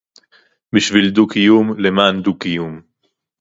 בשביל דו-קיום, למען דו-קיום